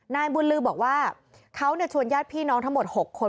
นายบุญลือบอกว่าเขาชวนญาติพี่น้องทั้งหมด๖คน